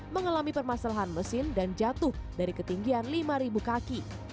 mengalami permasalahan mesin dan jatuh dari ketinggian lima kaki